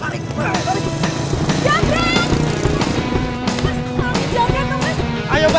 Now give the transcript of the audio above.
mas maafin jangan dong mas